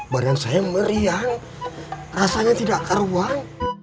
badan saya meriang rasanya tidak karuang